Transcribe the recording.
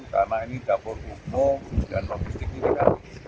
karena ini dapur umum dan logistik ini kan